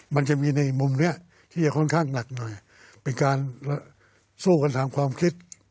มันจะมีในมุมนี้ที่จะค่อนข้างหนักหน่อยเป็นการสู้กันตามความคิด